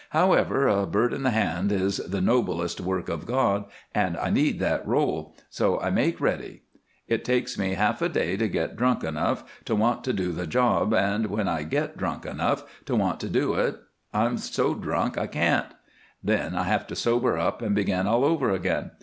However, a bird in the hand is the noblest work of God, and I need that roll, so I make ready. It takes me half a day to get drunk enough to want to do the job, and when I get drunk enough to want to do it I'm so drunk I can't. Then I have to sober up and begin all over again.